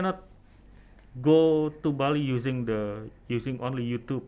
pergi ke bali hanya menggunakan youtube